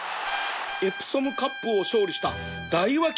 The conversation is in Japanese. エプソムカップを勝利した